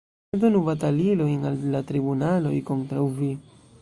Ne donu batalilojn al la tribunaloj kontraŭ vi.